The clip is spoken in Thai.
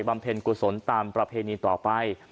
เพ็ญกุศลตามประเพณีต่อไป